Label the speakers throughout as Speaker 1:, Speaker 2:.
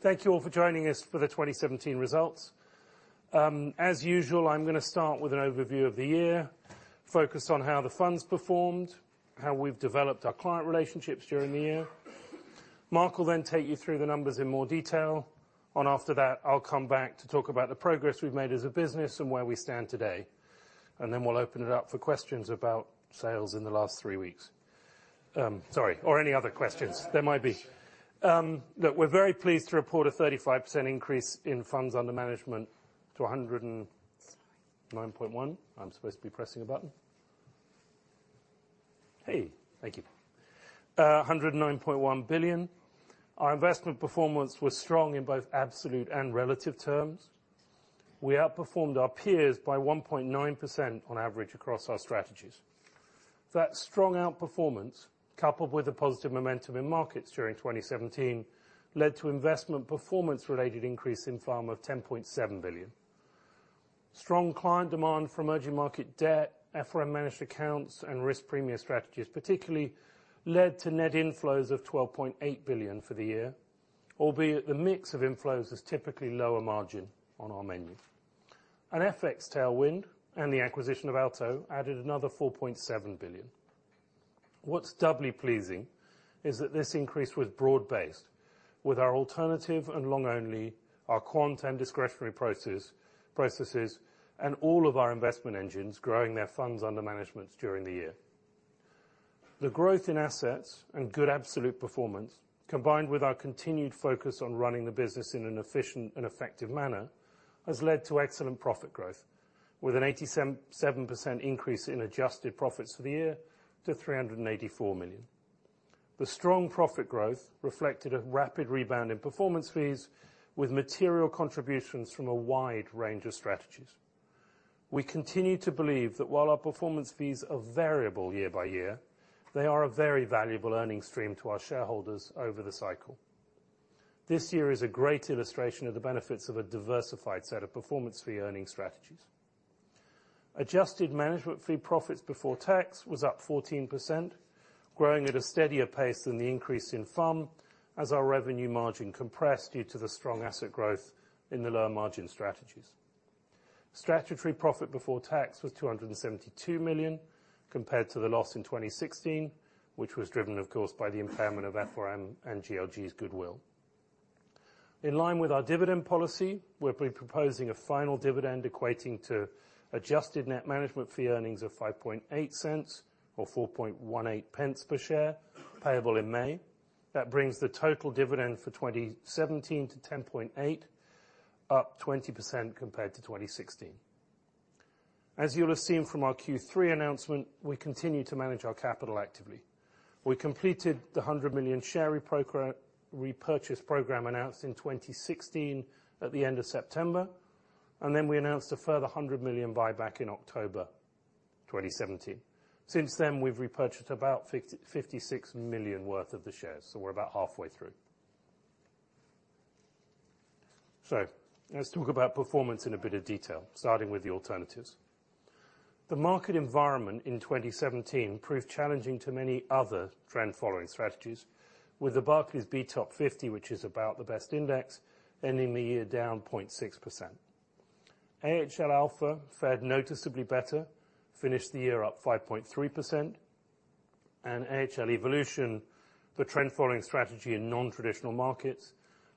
Speaker 1: Thank you all for joining us for the 2017 results. As usual, I'm going to start with an overview of the year, focus on how the funds performed, how we've developed our client relationships during the year. Mark will take you through the numbers in more detail. After that, I'll come back to talk about the progress we've made as a business and where we stand today. We'll open it up for questions about sales in the last three weeks. Sorry, or any other questions there might be. We're very pleased to report a 35% increase in funds under management to 109.1. I'm supposed to be pressing a button. Hey, thank you. 109.1 billion. Our investment performance was strong in both absolute and relative terms. We outperformed our peers by 1.9% on average across our strategies. That strong outperformance, coupled with the positive momentum in markets during 2017, led to investment performance related increase in FUM of 10.7 billion. Strong client demand for emerging market debt, FRM managed accounts, and risk premia strategies, particularly led to net inflows of 12.8 billion for the year, albeit the mix of inflows is typically lower margin on our menu. An FX tailwind and the acquisition of Aalto added another 4.7 billion. What's doubly pleasing is that this increase was broad-based, with our alternative and long only, our quant and discretionary processes, and all of our investment engines growing their funds under management during the year. The growth in assets and good absolute performance, combined with our continued focus on running the business in an efficient and effective manner, has led to excellent profit growth, with an 87% increase in adjusted profits for the year to 384 million. The strong profit growth reflected a rapid rebound in performance fees, with material contributions from a wide range of strategies. We continue to believe that while our performance fees are variable year by year, they are a very valuable earning stream to our shareholders over the cycle. This year is a great illustration of the benefits of a diversified set of performance fee earning strategies. Adjusted management fee profits before tax was up 14%, growing at a steadier pace than the increase in FUM, as our revenue margin compressed due to the strong asset growth in the lower margin strategies. Statutory profit before tax was 272 million compared to the loss in 2016, which was driven, of course, by the impairment of FRM and GLG's goodwill. In line with our dividend policy, we're proposing a final dividend equating to adjusted net management fee earnings of 0.058 or 0.0418 per share, payable in May. That brings the total dividend for 2017 to 0.108, up 20% compared to 2016. As you'll have seen from our Q3 announcement, we continue to manage our capital actively. We completed the 100 million share repurchase program announced in 2016 at the end of September. We announced a further 100 million buyback in October 2017. Since then, we've repurchased about 56 million worth of the shares, so we're about halfway through. Let's talk about performance in a bit of detail, starting with the alternatives. The market environment in 2017 proved challenging to many other trend following strategies with the Barclays BTOP50, which is about the best index, ending the year down 0.6%. AHL Alpha fared noticeably better, finished the year up 5.3%, and AHL Evolution, the trend following strategy in non-traditional markets,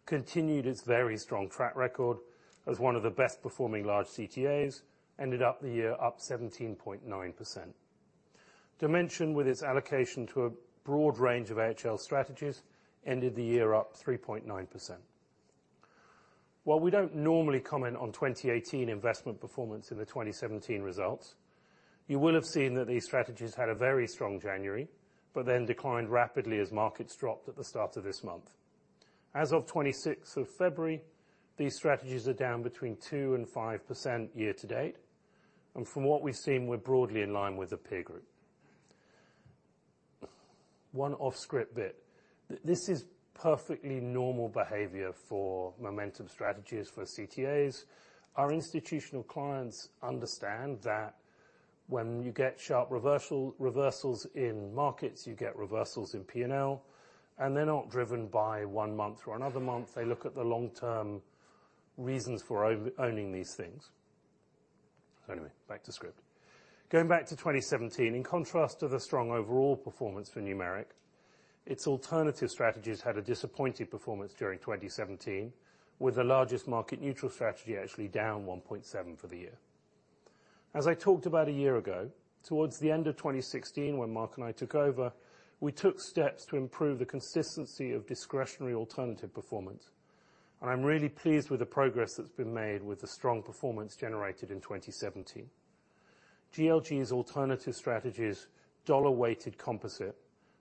Speaker 1: continued its very strong track record as one of the best performing large CTAs, ended up the year up 17.9%. Dimension with its allocation to a broad range of AHL strategies, ended the year up 3.9%. While we don't normally comment on 2018 investment performance in the 2017 results, you will have seen that these strategies had a very strong January, but then declined rapidly as markets dropped at the start of this month. As of 26th of February, these strategies are down between 2% and 5% year to date. From what we've seen, we're broadly in line with the peer group. One off-script bit. This is perfectly normal behavior for momentum strategies for CTAs. Our institutional clients understand that when you get sharp reversals in markets, you get reversals in P&L, and they're not driven by one month or another month. They look at the long-term reasons for owning these things. Anyway, back to script. Going back to 2017, in contrast to the strong overall performance for Numeric, its alternative strategies had a disappointing performance during 2017, with the largest market neutral strategy actually down 1.7% for the year. As I talked about a year ago, towards the end of 2016, when Mark and I took over, we took steps to improve the consistency of discretionary alternative performance. I'm really pleased with the progress that's been made with the strong performance generated in 2017. GLG's alternative strategies dollar weighted composite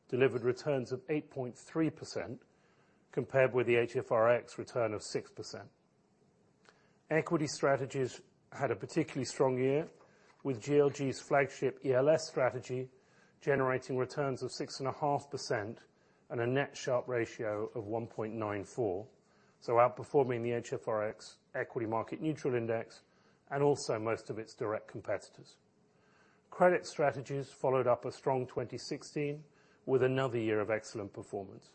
Speaker 1: delivered returns of 8.3%, compared with the HFRX return of 6%. Equity strategies had a particularly strong year, with GLG's flagship ELS strategy generating returns of 6.5% and a net Sharpe ratio of 1.94, so outperforming the HFRX equity market neutral index and also most of its direct competitors. Credit strategies followed up a strong 2016 with another year of excellent performance.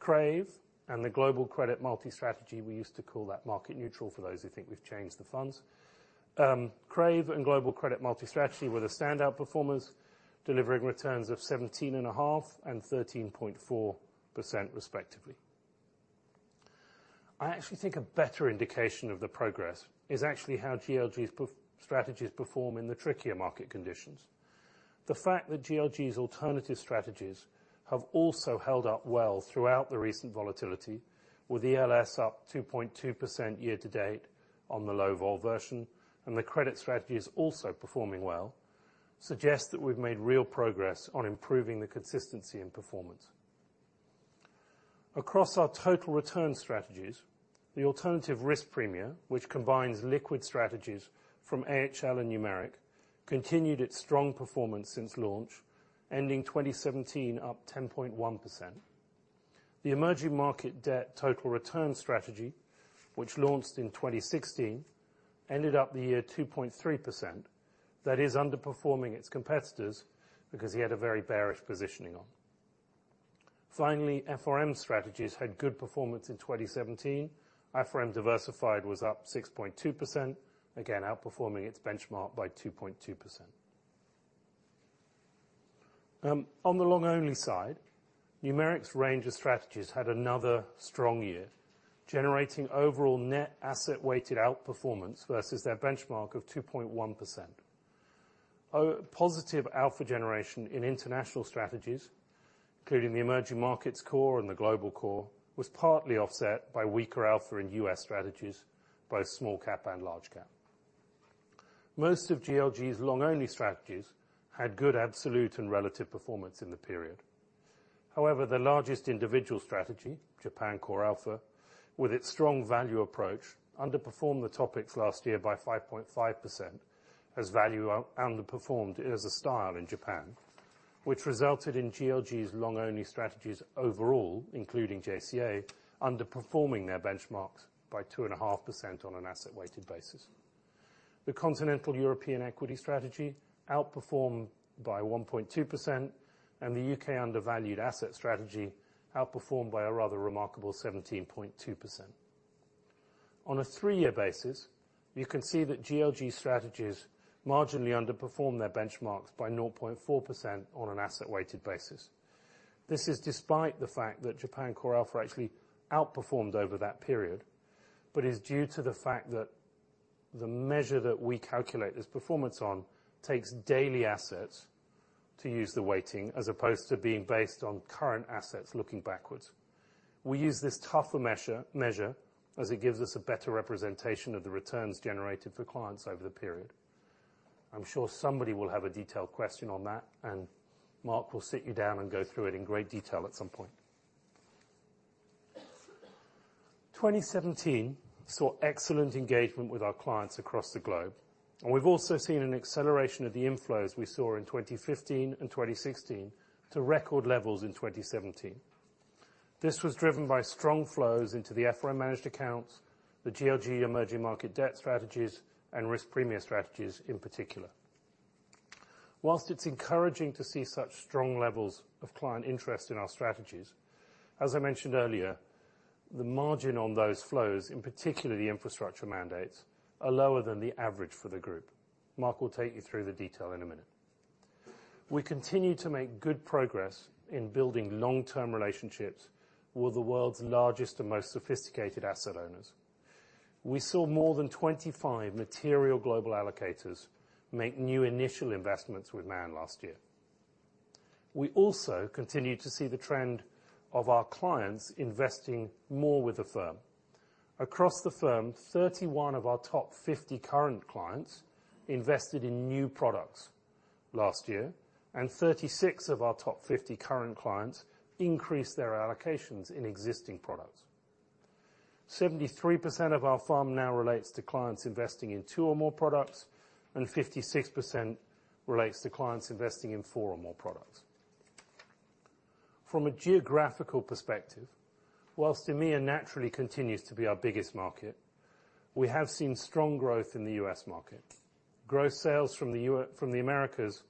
Speaker 1: Crave and the global credit multi-strategy, we used to call that market neutral for those who think we've changed the funds. Crave and global credit multi-strategy were the standout performers, delivering returns of 17.5% and 13.4%, respectively. I actually think a better indication of the progress is actually how GLG's strategies perform in the trickier market conditions. The fact that GLG's alternative strategies have also held up well throughout the recent volatility, with ELS up 2.2% year to date on the low vol version, and the credit strategy is also performing well, suggests that we've made real progress on improving the consistency and performance. Across our total return strategies, the alternative risk premia, which combines liquid strategies from AHL and Numeric, continued its strong performance since launch, ending 2017 up 10.1%. The emerging market debt total return strategy, which launched in 2016, ended up the year 2.3%. That is underperforming its competitors because we had a very bearish positioning on. Finally, FRM strategies had good performance in 2017. FRM Diversified was up 6.2%, again outperforming its benchmark by 2.2%. On the long only side, Numeric's range of strategies had another strong year, generating overall net asset weighted outperformance versus their benchmark of 2.1%. A positive alpha generation in international strategies, including the Numeric Emerging Markets Core and the Numeric Global Core, was partly offset by weaker alpha in U.S. strategies, both small cap and large cap. Most of Man GLG's long-only strategies had good absolute and relative performance in the period. However, the largest individual strategy, Japan CoreAlpha, with its strong value approach, underperformed the TOPIX last year by 5.5%, as value underperformed as a style in Japan, which resulted in Man GLG's long-only strategies overall, including JCA, underperforming their benchmarks by 2.5% on an asset weighted basis. The continental European equity strategy outperformed by 1.2%, and the U.K. undervalued asset strategy outperformed by a rather remarkable 17.2%. On a three-year basis, you can see that Man GLG strategies marginally underperformed their benchmarks by 0.4% on an asset weighted basis. This is despite the fact that Japan CoreAlpha actually outperformed over that period, but is due to the fact that the measure that we calculate this performance on takes daily assets to use the weighting, as opposed to being based on current assets looking backwards. We use this tougher measure, as it gives us a better representation of the returns generated for clients over the period. I'm sure somebody will have a detailed question on that, and Mark will sit you down and go through it in great detail at some point. 2017 saw excellent engagement with our clients across the globe, and we've also seen an acceleration of the inflows we saw in 2015 and 2016 to record levels in 2017. This was driven by strong flows into the Man FRM managed accounts, the Man GLG emerging market debt strategies, and risk premia strategies in particular. Whilst it's encouraging to see such strong levels of client interest in our strategies, as I mentioned earlier, the margin on those flows, in particular the infrastructure mandates, are lower than the average for the group. Mark will take you through the detail in a minute. We continue to make good progress in building long-term relationships with the world's largest and most sophisticated asset owners. We saw more than 25 material global allocators make new initial investments with Man last year. We also continue to see the trend of our clients investing more with the firm. Across the firm, 31 of our top 50 current clients invested in new products last year, and 36 of our top 50 current clients increased their allocations in existing products. 73% of our firm now relates to clients investing in two or more products, and 56% relates to clients investing in four or more products. From a geographical perspective, whilst EMEA naturally continues to be our biggest market, we have seen strong growth in the U.S. market. Gross sales from the Americas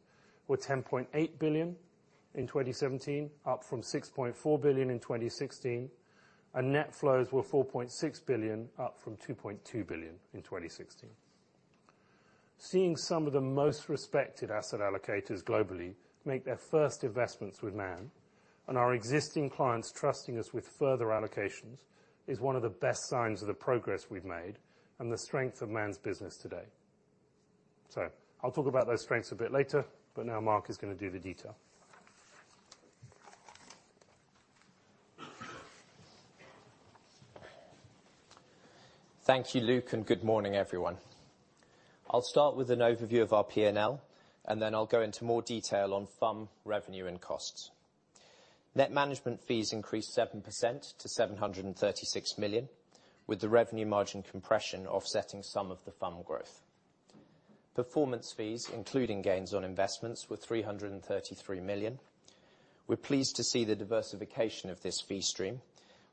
Speaker 1: were $10.8 billion in 2017, up from $6.4 billion in 2016, and net flows were $4.6 billion, up from $2.2 billion in 2016. Seeing some of the most respected asset allocators globally make their first investments with Man and our existing clients trusting us with further allocations is one of the best signs of the progress we've made and the strength of Man's business today. I'll talk about those strengths a bit later, but now Mark is going to do the detail.
Speaker 2: Thank you, Luke, and good morning, everyone. I'll start with an overview of our P&L, and then I'll go into more detail on FUM revenue and costs. Net management fees increased 7% to $736 million, with the revenue margin compression offsetting some of the FUM growth. Performance fees, including gains on investments, were $333 million. We're pleased to see the diversification of this fee stream.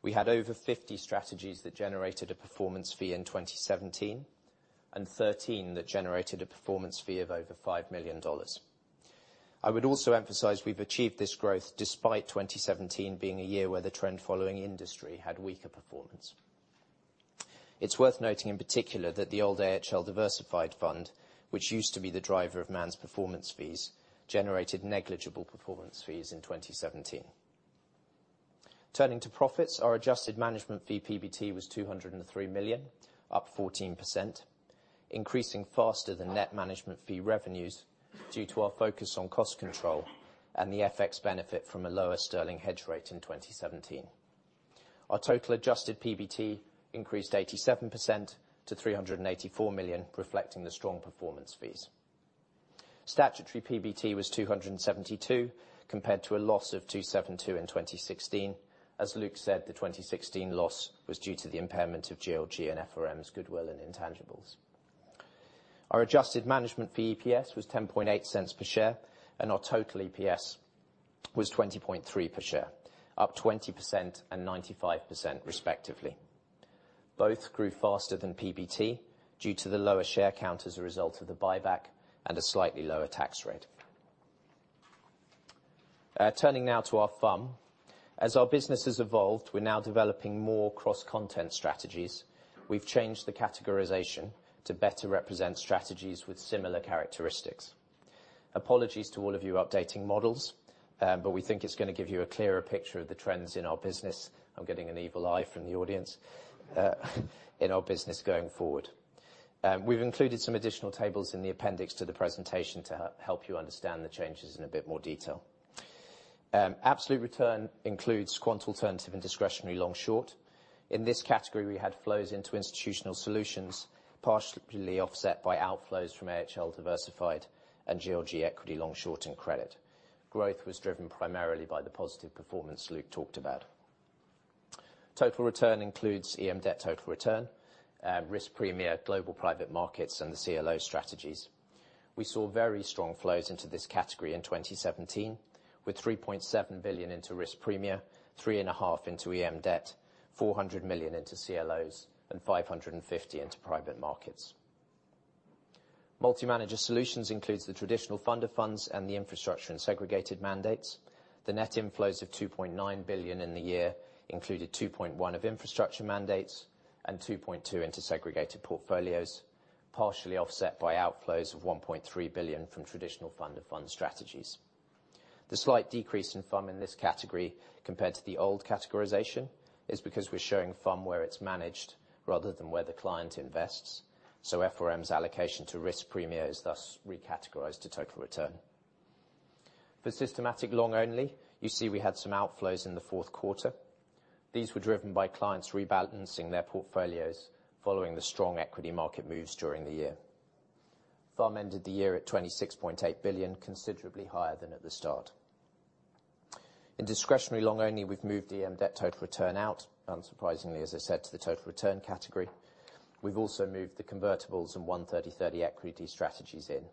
Speaker 2: We had over 50 strategies that generated a performance fee in 2017, and 13 that generated a performance fee of over $5 million. I would also emphasize, we've achieved this growth despite 2017 being a year where the trend following industry had weaker performance. It's worth noting in particular, that the old AHL Diversified fund, which used to be the driver of Man's performance fees, generated negligible performance fees in 2017. Turning to profits, our adjusted management fee PBT was $203 million, up 14%, increasing faster than net management fee revenues due to our focus on cost control and the FX benefit from a lower sterling hedge rate in 2017. Our total adjusted PBT increased 87% to $384 million, reflecting the strong performance fees. Statutory PBT was $272, compared to a loss of $272 in 2016. As Luke said, the 2016 loss was due to the impairment of GLG and FRM's goodwill and intangibles. Our adjusted management fee EPS was $0.108 per share, and our total EPS was $0.203 per share, up 20% and 95% respectively. Both grew faster than PBT due to the lower share count as a result of the buyback and a slightly lower tax rate. Turning now to our FUM. As our business has evolved, we're now developing more cross-content strategies. We've changed the categorization to better represent strategies with similar characteristics. Apologies to all of you updating models, but we think it's going to give you a clearer picture of the trends in our business. I'm getting an evil eye from the audience. In our business going forward. We've included some additional tables in the appendix to the presentation to help you understand the changes in a bit more detail. Absolute return includes quant alternative and discretionary long-short. In this category, we had flows into institutional solutions, partially offset by outflows from AHL Diversified and GLG equity long-short and credit. Growth was driven primarily by the positive performance Luke talked about. Total return includes EM debt total return, Risk Premia, global private markets, and the CLO strategies. We saw very strong flows into this category in 2017, with $3.7 billion into Risk Premia, three and a half into EM debt, $400 million into CLOs, and $550 million into private markets. Multi-manager solutions includes the traditional fund of funds and the infrastructure and segregated mandates. The net inflows of $2.9 billion in the year included $2.1 billion of infrastructure mandates and $2.2 billion into segregated portfolios, partially offset by outflows of $1.3 billion from traditional fund of fund strategies. The slight decrease in FOM in this category compared to the old categorization is because we're showing FOM where it's managed rather than where the client invests, so FRM's allocation to Risk Premia is thus recategorized to total return. For systematic long only, you see we had some outflows in the fourth quarter. These were driven by clients rebalancing their portfolios following the strong equity market moves during the year. FUM ended the year at 26.8 billion, considerably higher than at the start. In discretionary long only, we've moved EM debt total return out, unsurprisingly, as I said, to the total return category. We've also moved the convertibles and 130-30 equity strategies in.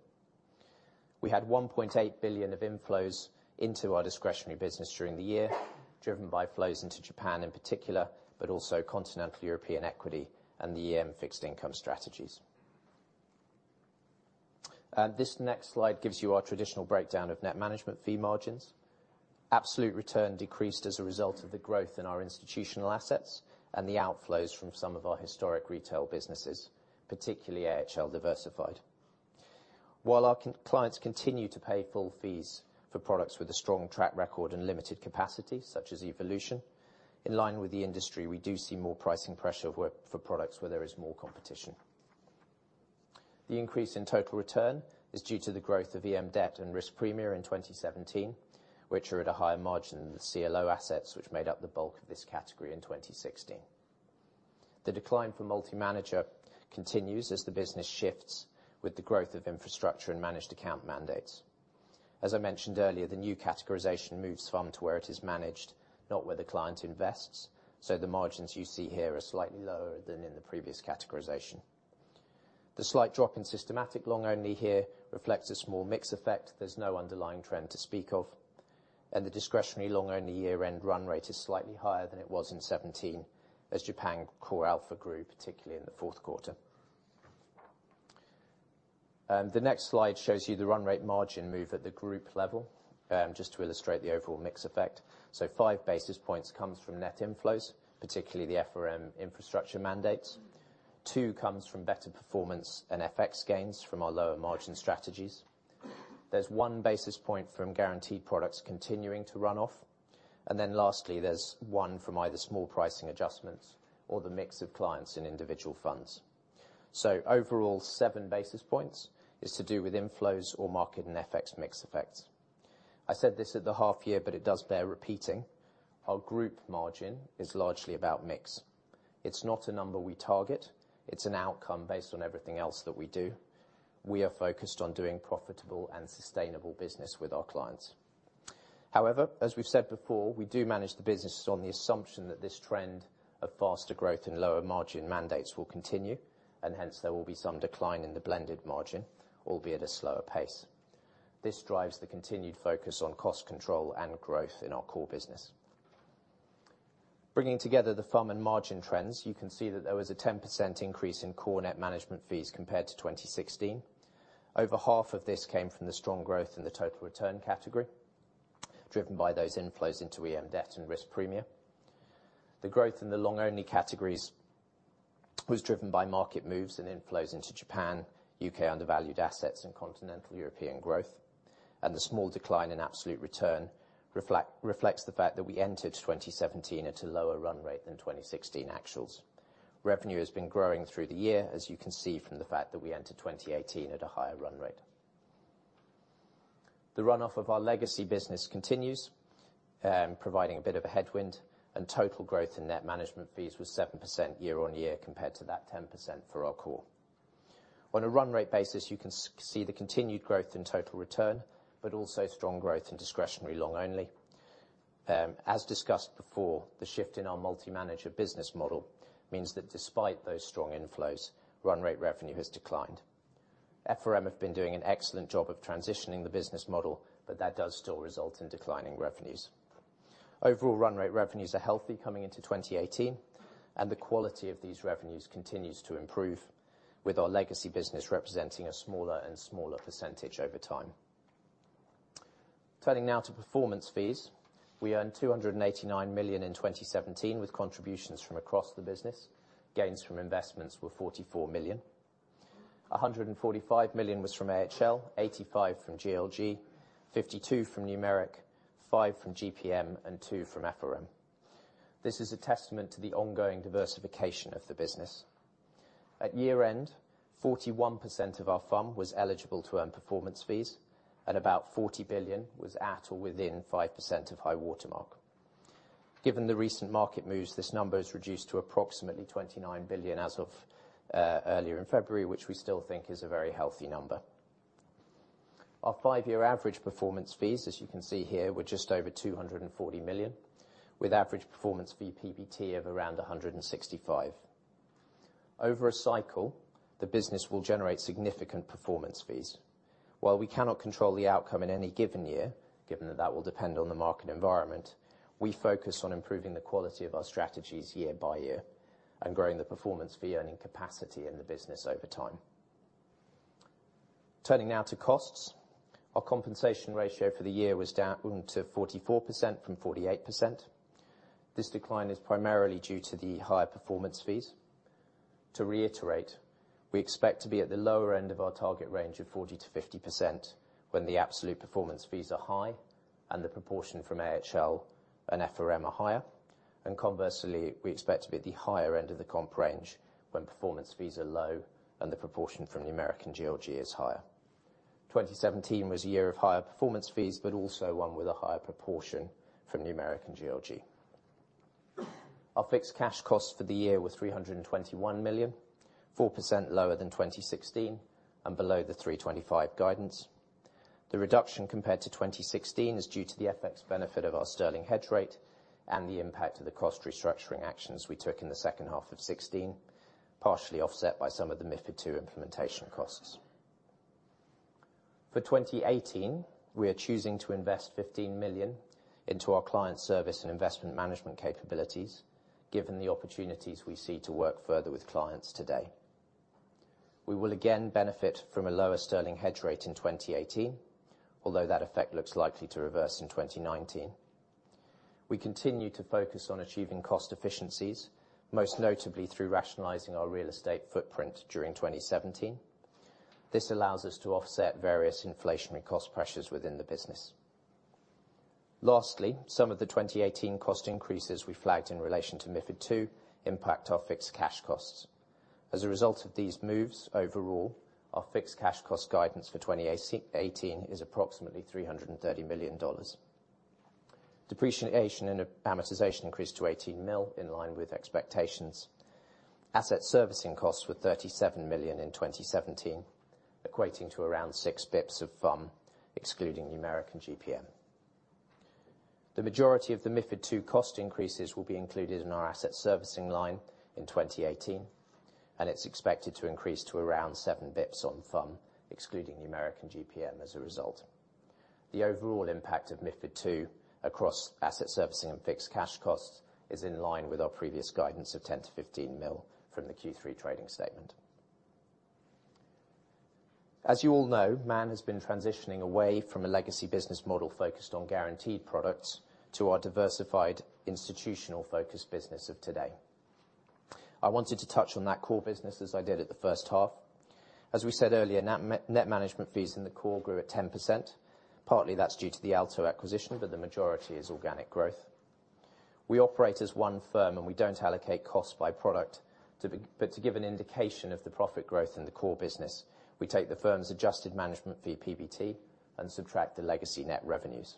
Speaker 2: We had 1.8 billion of inflows into our discretionary business during the year, driven by flows into Japan in particular, but also continental European equity and the EM fixed income strategies. This next slide gives you our traditional breakdown of net management fee margins. Absolute return decreased as a result of the growth in our institutional assets and the outflows from some of our historic retail businesses, particularly AHL Diversified. While our clients continue to pay full fees for products with a strong track record and limited capacity, such as Evolution, in line with the industry, we do see more pricing pressure for products where there is more competition. The increase in total return is due to the growth of EM debt and Risk Premia in 2017, which are at a higher margin than the CLO assets, which made up the bulk of this category in 2016. The decline for multi-manager continues as the business shifts with the growth of infrastructure and managed account mandates. As I mentioned earlier, the new categorization moves FUM to where it is managed, not where the client invests, so the margins you see here are slightly lower than in the previous categorization. The slight drop in systematic long only here reflects a small mix effect. There's no underlying trend to speak of. The discretionary long only year-end run rate is slightly higher than it was in 2017, as Japan CoreAlpha grew, particularly in the fourth quarter. The next slide shows you the run rate margin move at the group level, just to illustrate the overall mix effect. Five basis points comes from net inflows, particularly the FRM infrastructure mandates. Two comes from better performance and FX gains from our lower margin strategies. There's one basis point from guaranteed products continuing to run off. Lastly, there's one from either small pricing adjustments or the mix of clients in individual funds. Overall, seven basis points is to do with inflows or market and FX mix effects. I said this at the half year, but it does bear repeating. Our group margin is largely about mix. It's not a number we target. It's an outcome based on everything else that we do. We are focused on doing profitable and sustainable business with our clients. However, as we've said before, we do manage the business on the assumption that this trend of faster growth and lower margin mandates will continue, and hence, there will be some decline in the blended margin, albeit at a slower pace. This drives the continued focus on cost control and growth in our core business. Bringing together the FUM and margin trends, you can see that there was a 10% increase in core net management fees compared to 2016. Over half of this came from the strong growth in the total return category, driven by those inflows into EM debt and Risk Premia. The growth in the long only categories was driven by market moves and inflows into Japan, U.K. undervalued assets, and continental European growth. The small decline in absolute return reflects the fact that we entered 2017 at a lower run rate than 2016 actuals. Revenue has been growing through the year, as you can see from the fact that we entered 2018 at a higher run rate. The runoff of our legacy business continues, providing a bit of a headwind, and total growth in net management fees was 7% year-on-year compared to that 10% for our core. On a run rate basis, you can see the continued growth in total return, but also strong growth in discretionary long only. As discussed before, the shift in our multi-manager business model means that despite those strong inflows, run rate revenue has declined. FRM have been doing an excellent job of transitioning the business model, but that does still result in declining revenues. Overall run rate revenues are healthy coming into 2018, and the quality of these revenues continues to improve, with our legacy business representing a smaller and smaller percentage over time. Turning now to performance fees. We earned 289 million in 2017, with contributions from across the business. Gains from investments were 44 million. 145 million was from AHL, 85 from GLG, 52 from Numeric, 5 from GPM, and 2 from FRM. This is a testament to the ongoing diversification of the business. At year-end, 41% of our FUM was eligible to earn performance fees, and about 40 billion was at or within 5% of high-water mark. Given the recent market moves, this number has reduced to approximately 29 billion as of earlier in February, which we still think is a very healthy number. Our five-year average performance fees, as you can see here, were just over 240 million, with average performance fee PBT of around 165 million. Over a cycle, the business will generate significant performance fees. While we cannot control the outcome in any given year, given that that will depend on the market environment, we focus on improving the quality of our strategies year by year and growing the performance fee-earning capacity in the business over time. Turning now to costs. Our compensation ratio for the year was down to 44% from 48%. This decline is primarily due to the higher performance fees. To reiterate, we expect to be at the lower end of our target range of 40%-50% when the absolute performance fees are high and the proportion from AHL and FRM are higher. Conversely, we expect to be at the higher end of the comp range when performance fees are low and the proportion from Numeric and GLG is higher. 2017 was a year of higher performance fees, but also one with a higher proportion from Numeric and GLG. Our fixed cash costs for the year were 321 million, 4% lower than 2016 and below the 325 million guidance. The reduction compared to 2016 is due to the FX benefit of our sterling hedge rate and the impact of the cost restructuring actions we took in the second half of 2016, partially offset by some of the MiFID II implementation costs. For 2018, we are choosing to invest 15 million into our client service and investment management capabilities, given the opportunities we see to work further with clients today. We will again benefit from a lower sterling hedge rate in 2018, although that effect looks likely to reverse in 2019. We continue to focus on achieving cost efficiencies, most notably through rationalizing our real estate footprint during 2017. This allows us to offset various inflationary cost pressures within the business. Lastly, some of the 2018 cost increases we flagged in relation to MiFID II impact our fixed cash costs. As a result of these moves overall, our fixed cash cost guidance for 2018 is approximately $330 million. Depreciation and amortization increased to $18 million, in line with expectations. Asset servicing costs were $37 million in 2017, equating to around 6 basis points of FOM, excluding Numeric and GPM. The majority of the MiFID II cost increases will be included in our asset servicing line in 2018, and it's expected to increase to around 7 basis points on FOM, excluding Numeric and GPM as a result. The overall impact of MiFID II across asset servicing and fixed cash costs is in line with our previous guidance of $10 million-$15 million from the Q3 trading statement. As you all know, Man has been transitioning away from a legacy business model focused on guaranteed products to our diversified institutional-focused business of today. I wanted to touch on that core business as I did at the first half. As we said earlier, net management fees in the core grew at 10%. Partly that's due to the Aalto acquisition, but the majority is organic growth. We operate as one firm. We don't allocate costs by product, but to give an indication of the profit growth in the core business, we take the firm's adjusted management fee PBT and subtract the legacy net revenues.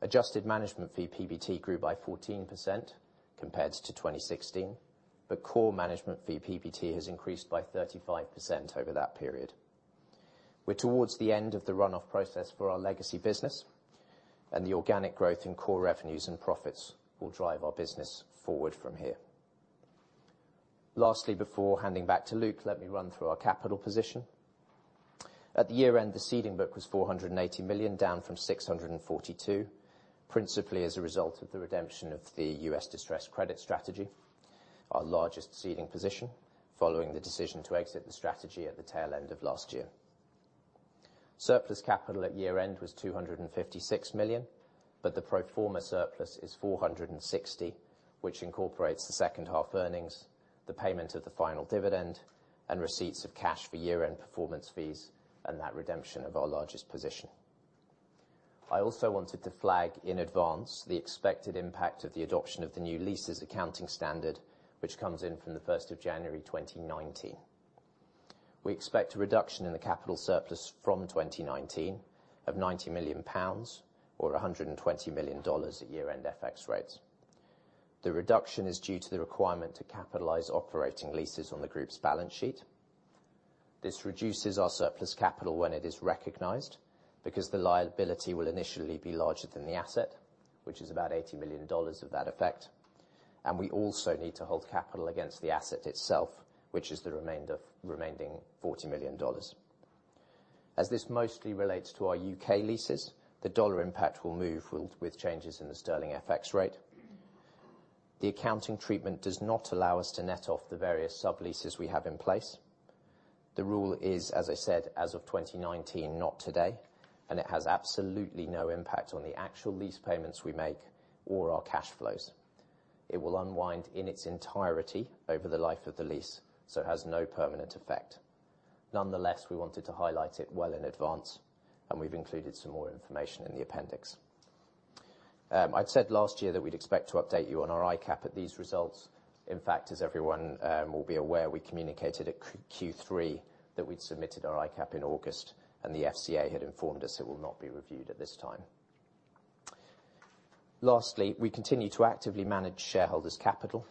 Speaker 2: Adjusted management fee PBT grew by 14% compared to 2016, core management fee PBT has increased by 35% over that period. We're towards the end of the runoff process for our legacy business, and the organic growth in core revenues and profits will drive our business forward from here. Lastly, before handing back to Luke, let me run through our capital position. At the year end, the seeding book was $480 million, down from $642 million, principally as a result of the redemption of the U.S. distressed credit strategy, our largest seeding position, following the decision to exit the strategy at the tail end of last year. Surplus capital at year end was $256 million. The pro forma surplus is $460 million, which incorporates the second half earnings, the payment of the final dividend, and receipts of cash for year-end performance fees, and that redemption of our largest position. I also wanted to flag in advance the expected impact of the adoption of the new leases accounting standard, which comes in from the 1st of January 2019. We expect a reduction in the capital surplus from 2019 of 90 million pounds, or $120 million at year-end FX rates. The reduction is due to the requirement to capitalize operating leases on the group's balance sheet. This reduces our surplus capital when it is recognized, because the liability will initially be larger than the asset, which is about $80 million of that effect. We also need to hold capital against the asset itself, which is the remaining $40 million. As this mostly relates to our U.K. leases, the dollar impact will move with changes in the sterling FX rate. The accounting treatment does not allow us to net off the various subleases we have in place. The rule is, as I said, as of 2019, not today, and it has absolutely no impact on the actual lease payments we make or our cash flows. It will unwind in its entirety over the life of the lease, so has no permanent effect. Nonetheless, we wanted to highlight it well in advance, and we've included some more information in the appendix. I'd said last year that we'd expect to update you on our ICAP at these results. In fact, as everyone will be aware, we communicated at Q3 that we'd submitted our ICAP in August, and the FCA had informed us it will not be reviewed at this time. Lastly, we continue to actively manage shareholders' capital.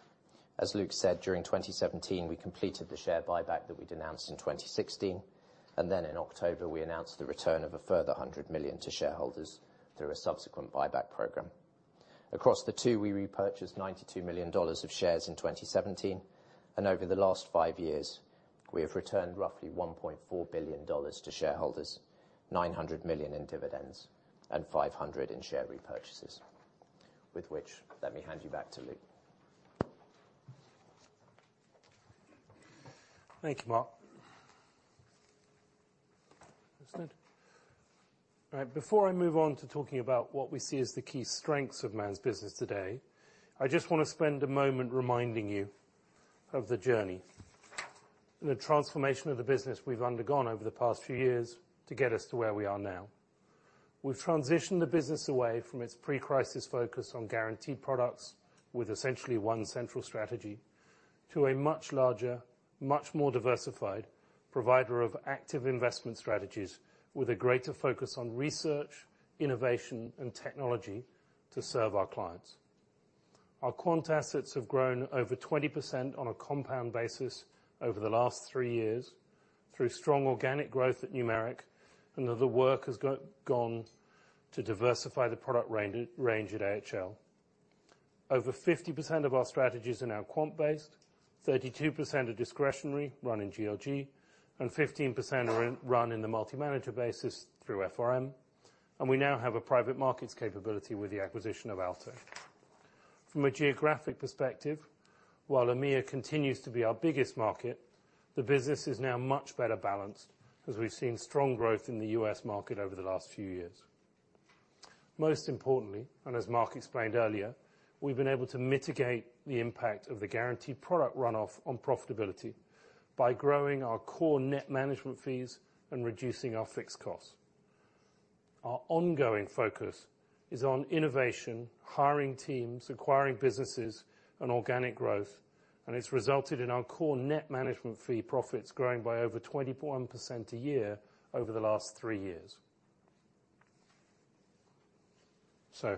Speaker 2: As Luke said, during 2017, we completed the share buyback that we'd announced in 2016. In October, we announced the return of a further $100 million to shareholders through a subsequent buyback program. Across the two, we repurchased $92 million of shares in 2017, and over the last five years, we have returned roughly $1.4 billion to shareholders, $900 million in dividends and $500 million in share repurchases. With which, let me hand you back to Luke.
Speaker 1: Thank you, Mark. Before I move on to talking about what we see as the key strengths of Man's business today, I just want to spend a moment reminding you of the journey and the transformation of the business we've undergone over the past few years to get us to where we are now. We've transitioned the business away from its pre-crisis focus on guaranteed products with essentially one central strategy to a much larger, much more diversified provider of active investment strategies with a greater focus on research, innovation, and technology to serve our clients. Our quant assets have grown over 20% on a compound basis over the last three years through strong organic growth at Numeric and the work that's gone to diversify the product range at AHL. Over 50% of our strategies are now quant based, 32% are discretionary run in GLG, and 15% are run in the multi-manager basis through FRM. We now have a private markets capability with the acquisition of Aalto. From a geographic perspective, while EMEA continues to be our biggest market, the business is now much better balanced as we've seen strong growth in the U.S. market over the last few years. Most importantly, as Mark explained earlier, we've been able to mitigate the impact of the guaranteed product runoff on profitability by growing our core net management fees and reducing our fixed costs. Our ongoing focus is on innovation, hiring teams, acquiring businesses, and organic growth, it's resulted in our core net management fee profits growing by over 21% a year over the last three years. In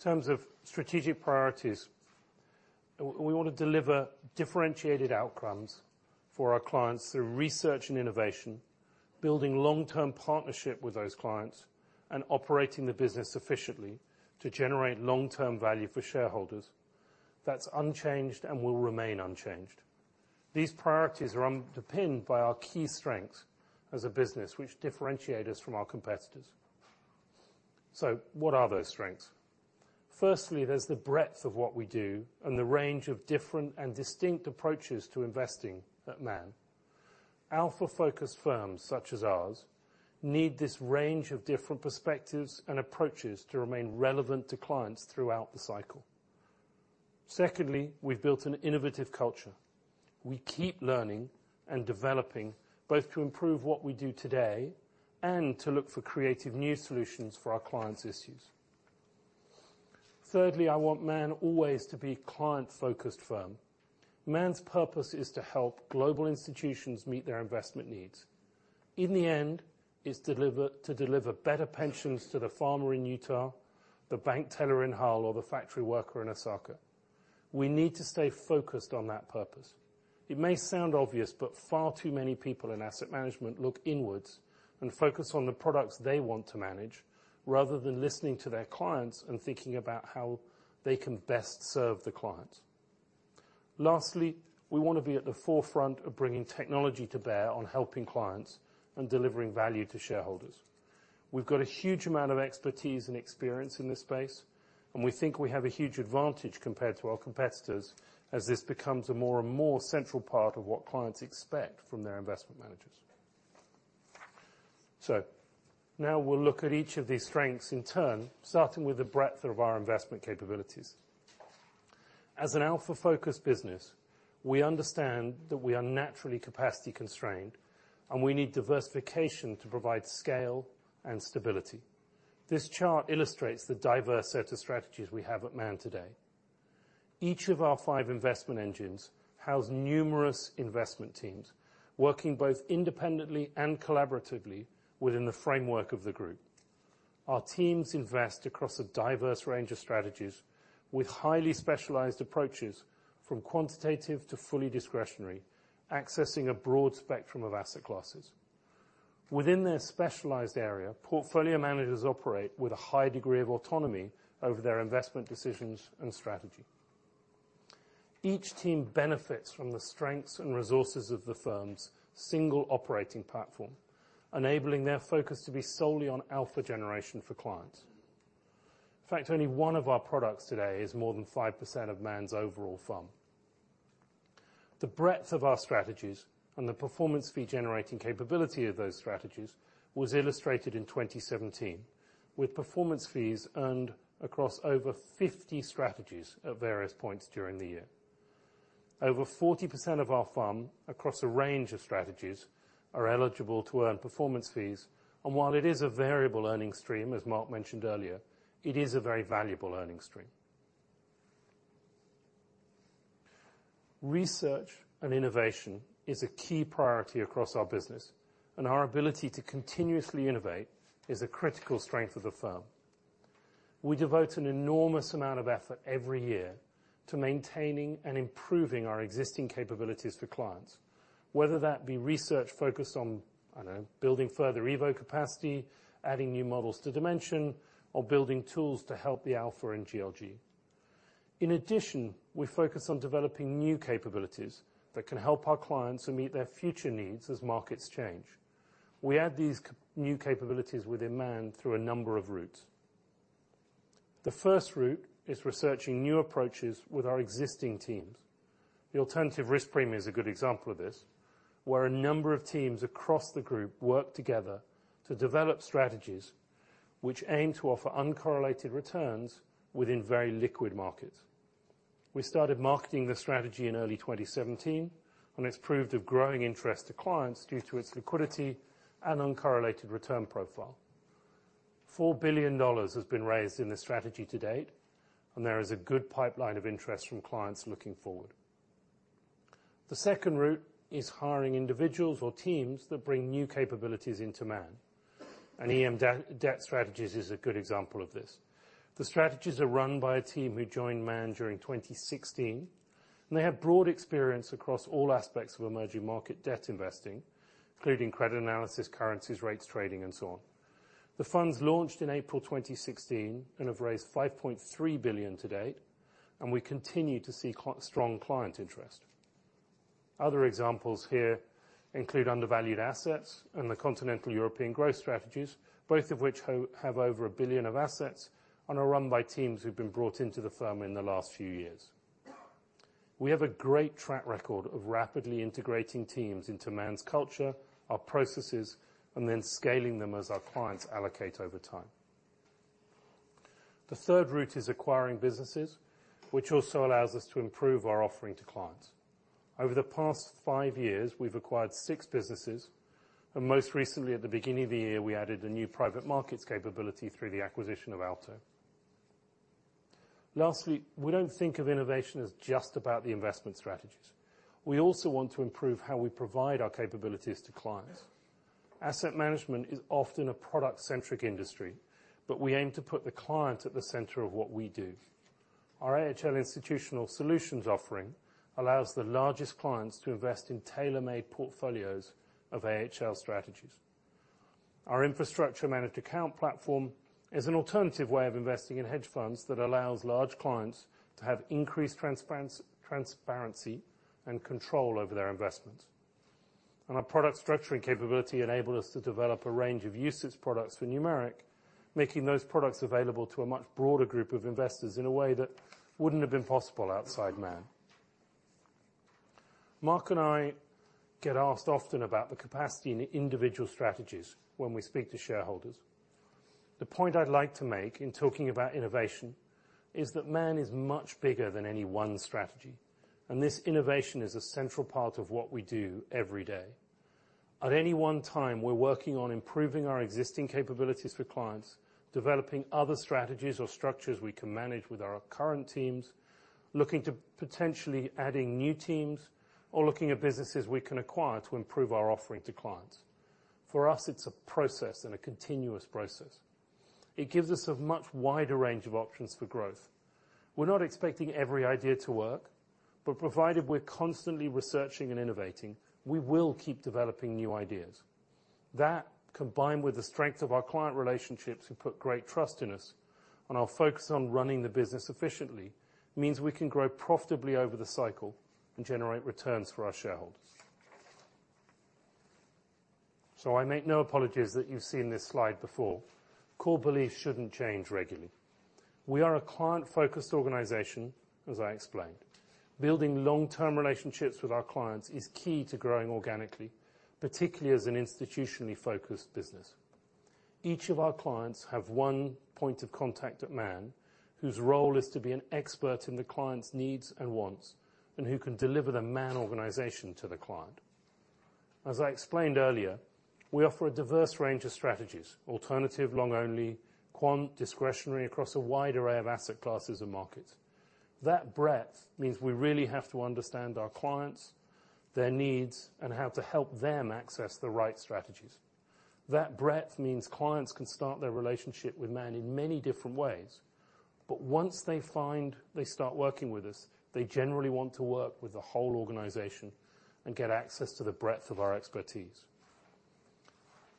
Speaker 1: terms of strategic priorities, we want to deliver differentiated outcomes for our clients through research and innovation, building long-term partnership with those clients, and operating the business efficiently to generate long-term value for shareholders. That's unchanged and will remain unchanged. These priorities are underpinned by our key strengths as a business, which differentiate us from our competitors. What are those strengths? Firstly, there's the breadth of what we do and the range of different and distinct approaches to investing at Man. Alpha-focused firms such as ours need this range of different perspectives and approaches to remain relevant to clients throughout the cycle. Secondly, we've built an innovative culture. We keep learning and developing, both to improve what we do today and to look for creative new solutions for our clients' issues. Thirdly, I want Man always to be a client-focused firm. Man's purpose is to help global institutions meet their investment needs. In the end, it's to deliver better pensions to the farmer in Utah, the bank teller in Hull, or the factory worker in Osaka. We need to stay focused on that purpose. It may sound obvious, but far too many people in asset management look inwards and focus on the products they want to manage rather than listening to their clients and thinking about how they can best serve the client. Lastly, we want to be at the forefront of bringing technology to bear on helping clients and delivering value to shareholders. We've got a huge amount of expertise and experience in this space, and we think we have a huge advantage compared to our competitors as this becomes a more and more central part of what clients expect from their investment managers. Now we'll look at each of these strengths in turn, starting with the breadth of our investment capabilities. As an alpha-focused business, we understand that we are naturally capacity constrained, and we need diversification to provide scale and stability. This chart illustrates the diverse set of strategies we have at Man today. Each of our five investment engines house numerous investment teams, working both independently and collaboratively within the framework of the group. Our teams invest across a diverse range of strategies with highly specialized approaches from quantitative to fully discretionary, accessing a broad spectrum of asset classes. Within their specialized area, portfolio managers operate with a high degree of autonomy over their investment decisions and strategy. Each team benefits from the strengths and resources of the firm's single operating platform, enabling their focus to be solely on alpha generation for clients. In fact, only one of our products today is more than 5% of Man's overall firm. The breadth of our strategies and the performance fee generating capability of those strategies was illustrated in 2017, with performance fees earned across over 50 strategies at various points during the year. Over 40% of our firm, across a range of strategies, are eligible to earn performance fees. While it is a variable earnings stream, as Mark mentioned earlier, it is a very valuable earnings stream. Research and innovation is a key priority across our business, and our ability to continuously innovate is a critical strength of the firm. We devote an enormous amount of effort every year to maintaining and improving our existing capabilities for clients, whether that be research focused on, I don't know, building further EVO capacity, adding new models to Dimension, or building tools to help the alpha in GLG. In addition, we focus on developing new capabilities that can help our clients and meet their future needs as markets change. We add these new capabilities within Man through a number of routes. The first route is researching new approaches with our existing teams. The Alternative Risk Premium is a good example of this, where a number of teams across the group work together to develop strategies which aim to offer uncorrelated returns within very liquid markets. We started marketing the strategy in early 2017, and it's proved of growing interest to clients due to its liquidity and uncorrelated return profile. $4 billion has been raised in this strategy to date. There is a good pipeline of interest from clients looking forward. The second route is hiring individuals or teams that bring new capabilities into Man. EM debt strategies is a good example of this. The strategies are run by a team who joined Man during 2016. They have broad experience across all aspects of emerging market debt investing, including credit analysis, currencies, rates trading, and so on. The funds launched in April 2016 and have raised $5.3 billion to date. We continue to see strong client interest. Other examples here include undervalued assets and the continental European growth strategies, both of which have over $1 billion of assets and are run by teams who've been brought into the firm in the last few years. We have a great track record of rapidly integrating teams into Man's culture, our processes, and then scaling them as our clients allocate over time. The third route is acquiring businesses, which also allows us to improve our offering to clients. Over the past five years, we've acquired six businesses. Most recently, at the beginning of the year, we added a new private markets capability through the acquisition of Aalto. Lastly, we don't think of innovation as just about the investment strategies. We also want to improve how we provide our capabilities to clients. Asset management is often a product-centric industry, but we aim to put the client at the center of what we do. Our AHL institutional solutions offering allows the largest clients to invest in tailor-made portfolios of AHL strategies. Our infrastructure managed account platform is an alternative way of investing in hedge funds that allows large clients to have increased transparency and control over their investments. Our product structuring capability enable us to develop a range of UCITS products for Numeric, making those products available to a much broader group of investors in a way that wouldn't have been possible outside Man. Mark and I get asked often about the capacity in the individual strategies when we speak to shareholders. The point I'd like to make in talking about innovation is that Man is much bigger than any one strategy. This innovation is a central part of what we do every day. At any one time, we're working on improving our existing capabilities for clients, developing other strategies or structures we can manage with our current teams, looking to potentially adding new teams, or looking at businesses we can acquire to improve our offering to clients. For us, it's a process and a continuous process. It gives us a much wider range of options for growth. We're not expecting every idea to work, but provided we're constantly researching and innovating, we will keep developing new ideas. That, combined with the strength of our client relationships, who put great trust in us, and our focus on running the business efficiently, means we can grow profitably over the cycle and generate returns for our shareholders. I make no apologies that you've seen this slide before. Core beliefs shouldn't change regularly. We are a client-focused organization, as I explained. Building long-term relationships with our clients is key to growing organically, particularly as an institutionally focused business. Each of our clients have one point of contact at Man, whose role is to be an expert in the client's needs and wants, and who can deliver the Man organization to the client. As I explained earlier, we offer a diverse range of strategies, alternative, long only, quant, discretionary, across a wide array of asset classes and markets. That breadth means we really have to understand our clients, their needs, and how to help them access the right strategies. That breadth means clients can start their relationship with Man in many different ways, but once they find they start working with us, they generally want to work with the whole organization and get access to the breadth of our expertise.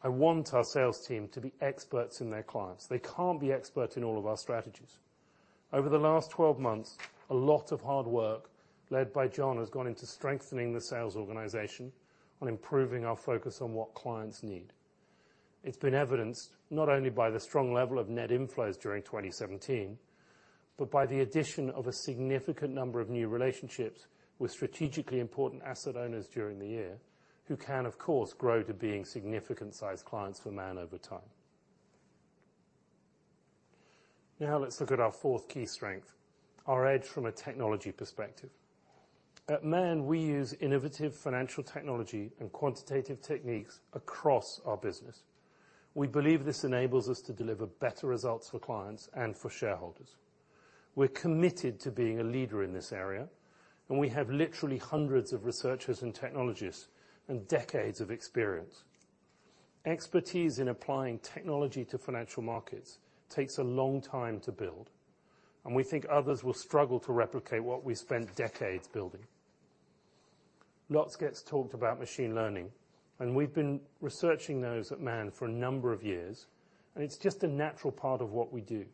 Speaker 1: I want our sales team to be experts in their clients. They can't be expert in all of our strategies. Over the last 12 months, a lot of hard work led by John has gone into strengthening the sales organization on improving our focus on what clients need. It's been evidenced not only by the strong level of net inflows during 2017, but by the addition of a significant number of new relationships with strategically important asset owners during the year, who can, of course, grow to being significant sized clients for Man over time. Let's look at our fourth key strength, our edge from a technology perspective. At Man, we use innovative financial technology and quantitative techniques across our business. We believe this enables us to deliver better results for clients and for shareholders. We're committed to being a leader in this area, and we have literally hundreds of researchers and technologists, and decades of experience. Expertise in applying technology to financial markets takes a long time to build, and we think others will struggle to replicate what we spent decades building. Lots gets talked about machine learning, and we've been researching those at Man for a number of years, and it's just a natural part of what we do.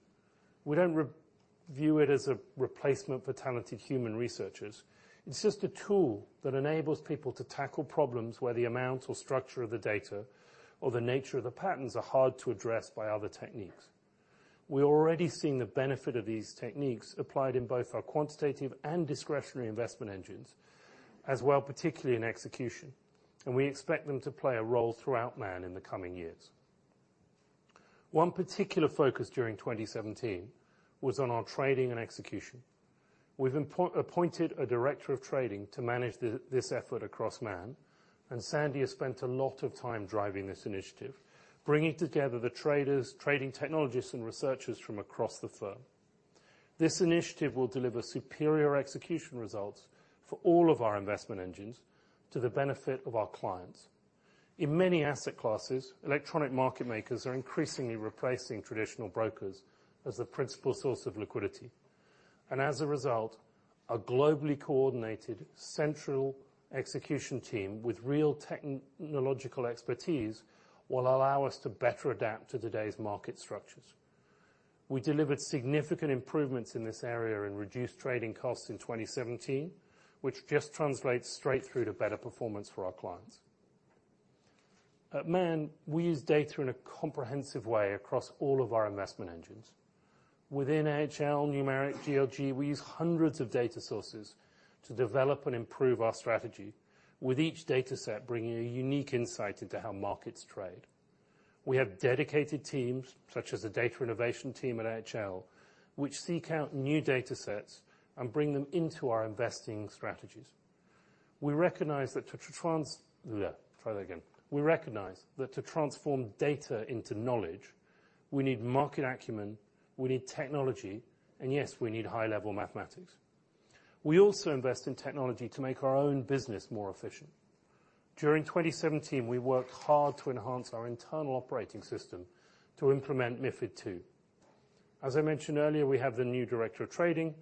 Speaker 1: We don't view it as a replacement for talented human researchers. It's just a tool that enables people to tackle problems where the amount or structure of the data or the nature of the patterns are hard to address by other techniques. We're already seeing the benefit of these techniques applied in both our quantitative and discretionary investment engines, as well, particularly in execution. We expect them to play a role throughout Man in the coming years. One particular focus during 2017 was on our trading and execution. We've appointed a director of trading to manage this effort across Man, Sandy has spent a lot of time driving this initiative, bringing together the traders, trading technologists, and researchers from across the firm. This initiative will deliver superior execution results for all of our investment engines to the benefit of our clients. In many asset classes, electronic market makers are increasingly replacing traditional brokers as the principal source of liquidity. As a result, a globally coordinated central execution team with real technological expertise will allow us to better adapt to today's market structures. We delivered significant improvements in this area in reduced trading costs in 2017, which just translates straight through to better performance for our clients. At Man, we use data in a comprehensive way across all of our investment engines. Within AHL, Numeric, GLG, we use hundreds of data sources to develop and improve our strategy, with each data set bringing a unique insight into how markets trade. We have dedicated teams, such as the data innovation team at AHL, which seek out new data sets and bring them into our investing strategies. We recognize that to transform data into knowledge, we need market acumen, we need technology, and yes, we need high level mathematics. We also invest in technology to make our own business more efficient. During 2017, we worked hard to enhance our internal operating system to implement MiFID II. As I mentioned earlier, we have the new director of trading,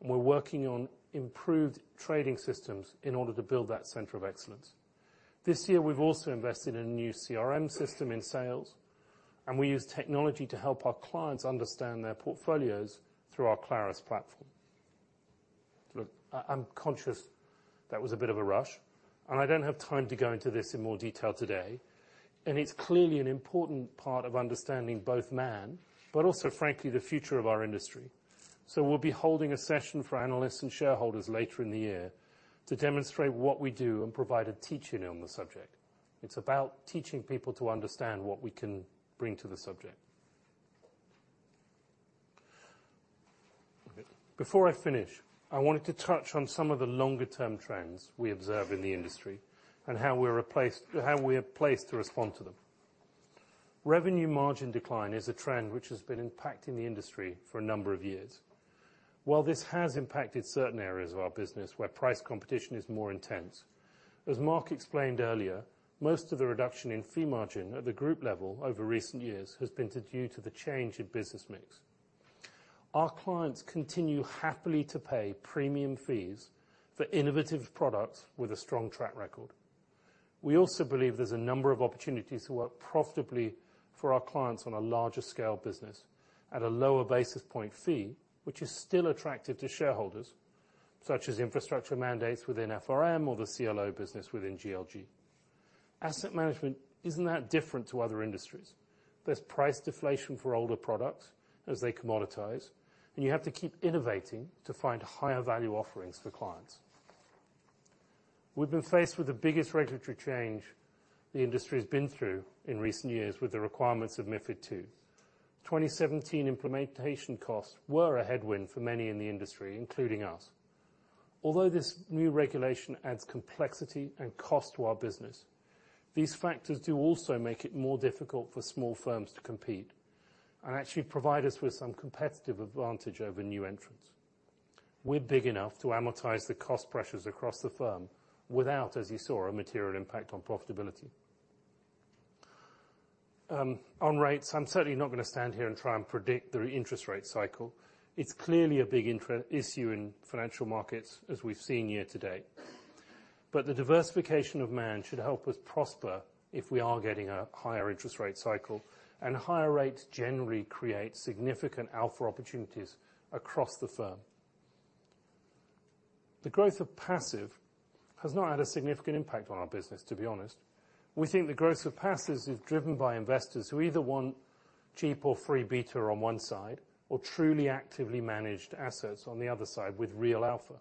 Speaker 1: we're working on improved trading systems in order to build that center of excellence. This year, we've also invested in a new CRM system in sales, We use technology to help our clients understand their portfolios through our Clarus platform. Look, I'm conscious that was a bit of a rush, I don't have time to go into this in more detail today, It's clearly an important part of understanding both Man, but also, frankly, the future of our industry. We'll be holding a session for analysts and shareholders later in the year to demonstrate what we do and provide a teach-in on the subject. It's about teaching people to understand what we can bring to the subject. Before I finish, I wanted to touch on some of the longer term trends we observe in the industry and how we are placed to respond to them. Revenue margin decline is a trend which has been impacting the industry for a number of years. While this has impacted certain areas of our business where price competition is more intense, as Mark explained earlier, most of the reduction in fee margin at the group level over recent years has been due to the change in business mix. Our clients continue happily to pay premium fees for innovative products with a strong track record. We also believe there's a number of opportunities to work profitably for our clients on a larger scale business at a lower basis point fee, which is still attractive to shareholders, such as infrastructure mandates within FRM or the CLO business within GLG. Asset management isn't that different to other industries. There's price deflation for older products as they commoditize, you have to keep innovating to find higher value offerings for clients. We've been faced with the biggest regulatory change the industry has been through in recent years with the requirements of MiFID II. 2017 implementation costs were a headwind for many in the industry, including us. Although this new regulation adds complexity and cost to our business, these factors do also make it more difficult for small firms to compete and actually provide us with some competitive advantage over new entrants. We're big enough to amortize the cost pressures across the firm without, as you saw, a material impact on profitability. On rates, I'm certainly not going to stand here and try and predict the interest rate cycle. It's clearly a big issue in financial markets as we've seen year to date. The diversification of Man should help us prosper if we are getting a higher interest rate cycle, and higher rates generally create significant alpha opportunities across the firm. The growth of passive has not had a significant impact on our business, to be honest. We think the growth of passive is driven by investors who either want cheap or free beta on one side or truly actively managed assets on the other side with real alpha.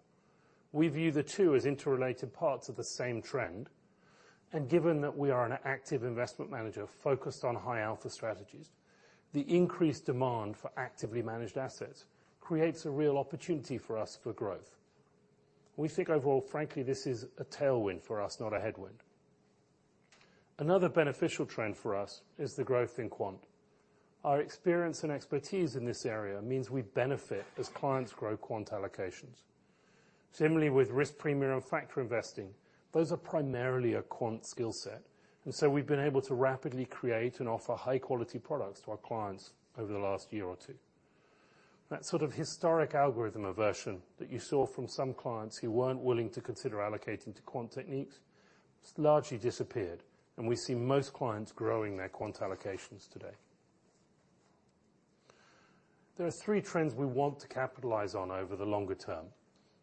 Speaker 1: Given that we are an active investment manager focused on high alpha strategies, the increased demand for actively managed assets creates a real opportunity for us for growth. We think overall, frankly, this is a tailwind for us, not a headwind. Another beneficial trend for us is the growth in quant. Our experience and expertise in this area means we benefit as clients grow quant allocations. Similarly, with risk premium factor investing, those are primarily a quant skill set. We've been able to rapidly create and offer high-quality products to our clients over the last year or two. That sort of historic algorithm aversion that you saw from some clients who weren't willing to consider allocating to quant techniques has largely disappeared. We see most clients growing their quant allocations today. There are three trends we want to capitalize on over the longer term.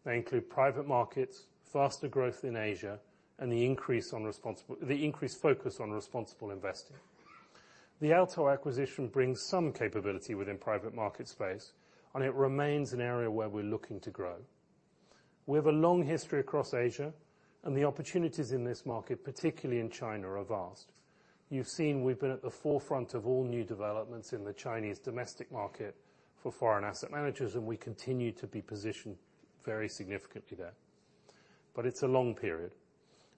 Speaker 1: They include private markets, faster growth in Asia, and the increased focus on responsible investing. The Aalto acquisition brings some capability within private market space. It remains an area where we're looking to grow. We have a long history across Asia and the opportunities in this market, particularly in China, are vast. You've seen we've been at the forefront of all new developments in the Chinese domestic market for foreign asset managers. We continue to be positioned very significantly there. It's a long period.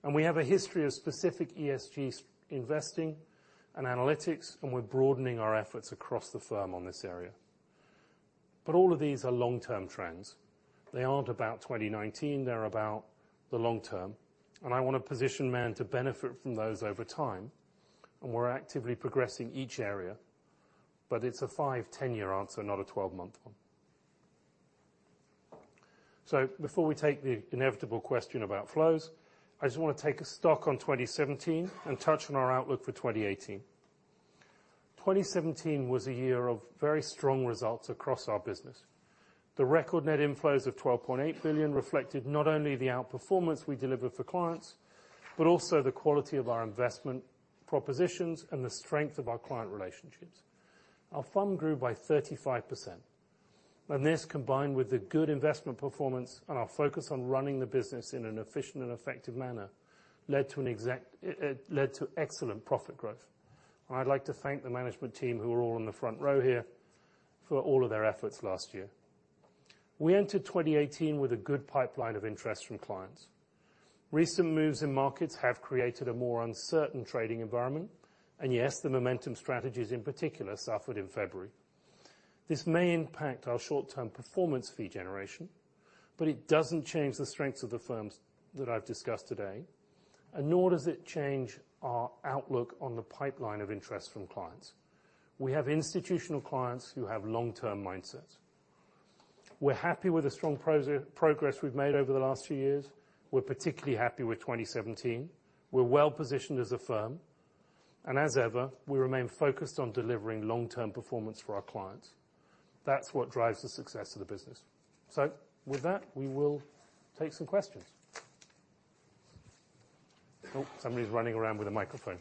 Speaker 1: We have a history of specific ESGs investing and analytics. We're broadening our efforts across the firm on this area. All of these are long-term trends. They aren't about 2019. They're about the long term. I want to position Man to benefit from those over time. We're actively progressing each area. It's a 5, 10-year answer, not a 12-month one. Before we take the inevitable question about flows, I just want to take a stock on 2017 and touch on our outlook for 2018. 2017 was a year of very strong results across our business. The record net inflows of 12.8 billion reflected not only the outperformance we delivered for clients, but also the quality of our investment propositions and the strength of our client relationships. Our firm grew by 35%, and this, combined with the good investment performance and our focus on running the business in an efficient and effective manner, led to excellent profit growth. I'd like to thank the management team, who are all on the front row here, for all of their efforts last year. We entered 2018 with a good pipeline of interest from clients. Yes, the momentum strategies in particular suffered in February. This may impact our short-term performance fee generation, it doesn't change the strengths of the firms that I've discussed today, nor does it change our outlook on the pipeline of interest from clients. We have institutional clients who have long-term mindsets. We're happy with the strong progress we've made over the last few years. We're particularly happy with 2017. We're well-positioned as a firm, as ever, we remain focused on delivering long-term performance for our clients. That's what drives the success of the business. With that, we will take some questions. Somebody's running around with a microphone.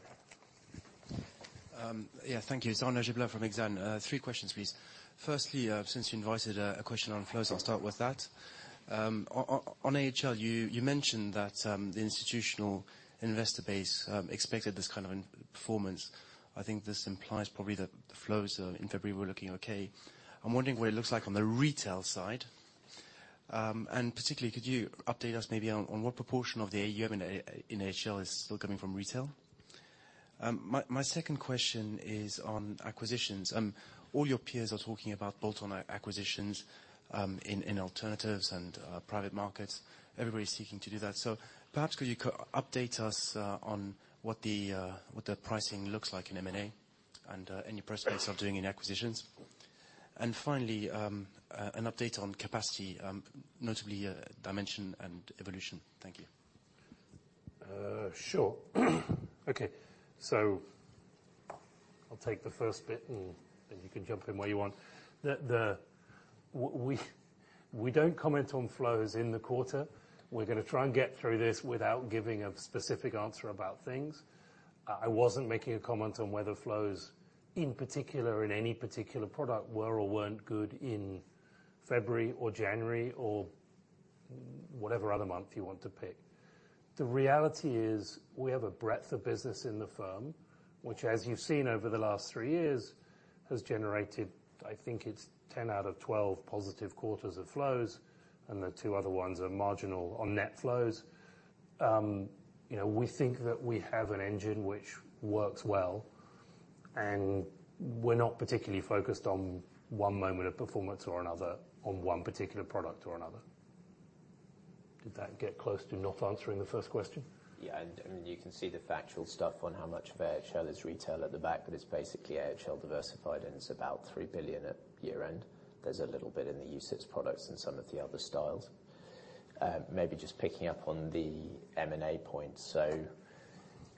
Speaker 3: Thank you. It's Arnaud Giblat from Exane. Three questions, please. Firstly, since you invited a question on flows, I'll start with that. On AHL, you mentioned that the institutional investor base expected this kind of performance. I think this implies probably that the flows in February were looking okay. I'm wondering what it looks like on the retail side. Particularly, could you update us maybe on what proportion of the AUM in AHL is still coming from retail? My second question is on acquisitions. All your peers are talking about bolt-on acquisitions. In alternatives and private markets, everybody's seeking to do that. Perhaps, could you update us on what the pricing looks like in M&A, any prospects of doing any acquisitions? Finally, an update on capacity, notably Dimension and Evolution. Thank you.
Speaker 1: Sure. Okay. I'll take the first bit, and you can jump in where you want. We don't comment on flows in the quarter. We're going to try and get through this without giving a specific answer about things. I wasn't making a comment on whether flows, in particular, in any particular product, were or weren't good in February or January or whatever other month you want to pick. The reality is, we have a breadth of business in the firm, which, as you've seen over the last three years, has generated, I think it's 10 out of 12 positive quarters of flows, and the two other ones are marginal on net flows. We think that we have an engine which works well, and we're not particularly focused on one moment of performance or another on one particular product or another. Did that get close to not answering the first question?
Speaker 2: You can see the factual stuff on how much of AHL is retail at the back, but it's basically AHL Diversified, and it's about 3 billion at year-end. There's a little bit in the UCITS products and some of the other styles. Maybe just picking up on the M&A point.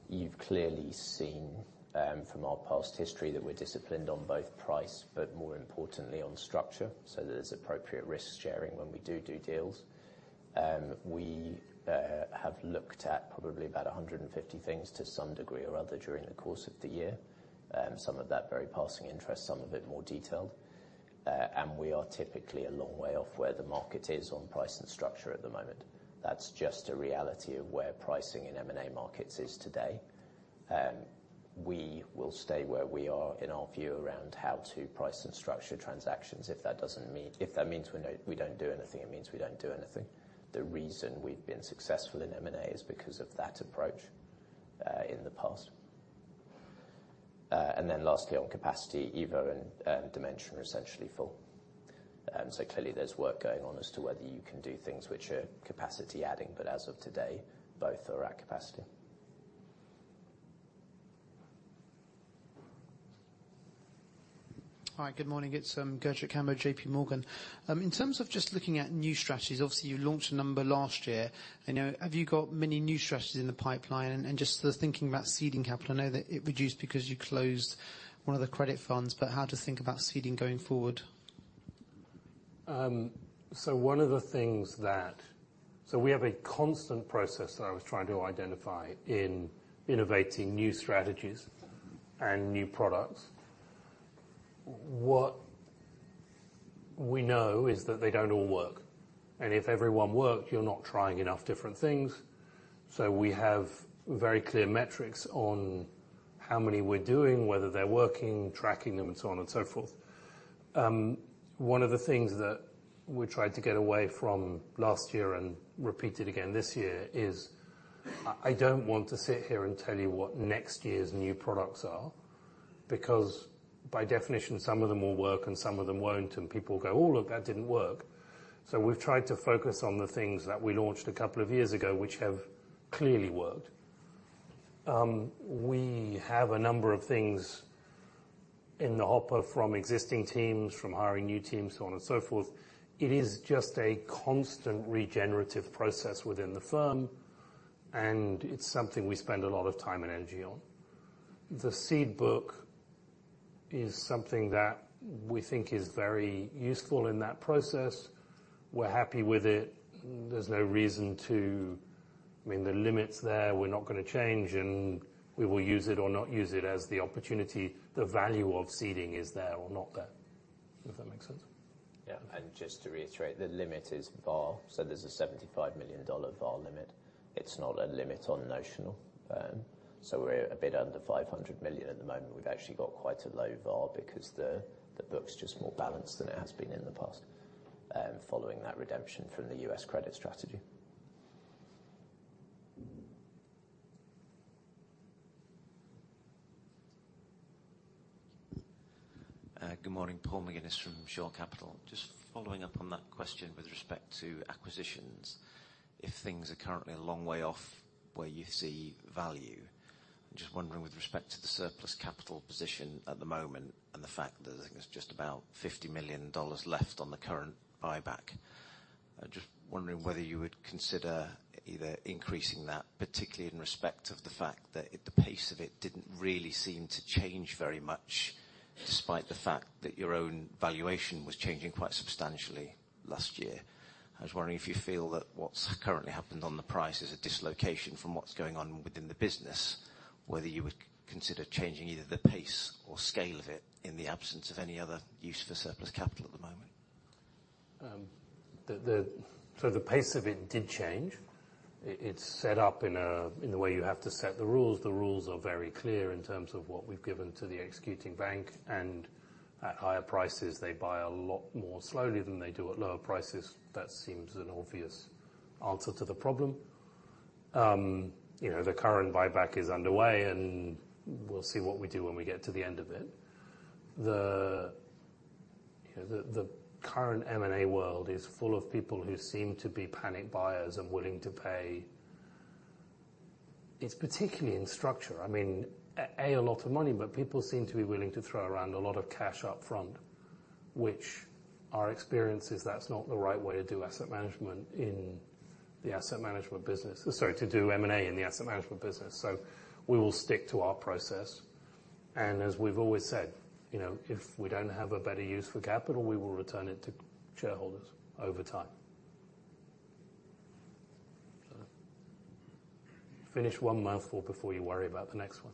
Speaker 2: You've clearly seen from our past history that we're disciplined on both price, but more importantly on structure, so that there's appropriate risk sharing when we do deals. We have looked at probably about 150 things to some degree or other during the course of the year. Some of that very passing interest, some of it more detailed. We are typically a long way off where the market is on price and structure at the moment. That's just a reality of where pricing in M&A markets is today. We will stay where we are in our view around how to price and structure transactions. If that means we don't do anything, it means we don't do anything. The reason we've been successful in M&A is because of that approach, in the past. Lastly, on capacity, EVO and Dimension are essentially full. Clearly there's work going on as to whether you can do things which are capacity adding, but as of today, both are at capacity.
Speaker 4: Hi, good morning. It's Gurjit Kambo, J.P. Morgan. In terms of just looking at new strategies, obviously you launched a number last year. Have you got many new strategies in the pipeline? Just the thinking about seeding capital. I know that it reduced because you closed one of the credit funds, but how to think about seeding going forward.
Speaker 1: We have a constant process that I was trying to identify in innovating new strategies and new products. What we know is that they don't all work. If every one worked, you're not trying enough different things. We have very clear metrics on how many we're doing, whether they're working, tracking them, and so on and so forth. One of the things that we tried to get away from last year and repeated again this year is I don't want to sit here and tell you what next year's new products are, because by definition, some of them will work and some of them won't, and people will go, "Oh, look, that didn't work." We've tried to focus on the things that we launched a couple of years ago, which have clearly worked. We have a number of things in the hopper from existing teams, from hiring new teams, so on and so forth. It is just a constant regenerative process within the firm, and it's something we spend a lot of time and energy on. The seed book is something that we think is very useful in that process. We're happy with it. The limit's there, we're not going to change, and we will use it or not use it as the opportunity, the value of seeding is there or not there. If that makes sense.
Speaker 2: Yeah. Just to reiterate, the limit is VaR, so there's a $75 million VaR limit. It's not a limit on notional. We're a bit under $500 million at the moment. We've actually got quite a low VaR because the book's just more balanced than it has been in the past following that redemption from the U.S. credit strategy.
Speaker 5: Good morning. Paul McGinnis from Shore Capital. Just following up on that question with respect to acquisitions. If things are currently a long way off where you see value, I am just wondering with respect to the surplus capital position at the moment and the fact that I think there's just about GBP 50 million left on the current buyback. I am just wondering whether you would consider either increasing that, particularly in respect of the fact that the pace of it didn't really seem to change very much, despite the fact that your own valuation was changing quite substantially last year. I was wondering if you feel that what's currently happened on the price is a dislocation from what's going on within the business, whether you would consider changing either the pace or scale of it in the absence of any other use for surplus capital at the moment.
Speaker 1: The pace of it did change. It's set up in the way you have to set the rules. The rules are very clear in terms of what we've given to the executing bank. At higher prices, they buy a lot more slowly than they do at lower prices. That seems an obvious answer to the problem. The current buyback is underway, and we'll see what we do when we get to the end of it. The current M&A world is full of people who seem to be panic buyers and willing to pay. It's particularly in structure. I mean, a lot of money, but people seem to be willing to throw around a lot of cash up front, which our experience is that's not the right way to do asset management in the asset management business. Sorry, to do M&A in the asset management business. We will stick to our process. As we've always said, if we don't have a better use for capital, we will return it to shareholders over time. Finish one mouthful before you worry about the next one.